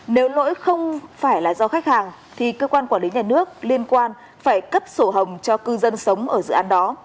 nếu lỗi không phải là do khách hàng thì cơ quan quản lý nhà nước liên quan phải cấp sổ hồng cho cư dân sống ở dự án đó